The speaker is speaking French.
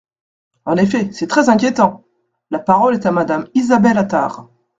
En effet, c’est très inquiétant ! La parole est à Madame Isabelle Attard.